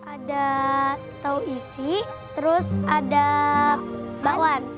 ada tau isi terus ada bakwan